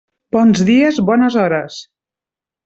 Bons dies, bones hores.